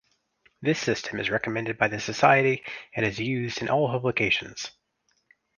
This system is recommended by the society and is used in all publications.